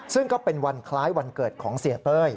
ซึ่งก็เป็นวันคล้ายวันเกิดของเสียเต้ย